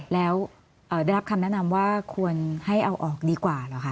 แล้วได้รับคำแนะนำว่าควรให้เอาออกดีกว่าเหรอคะ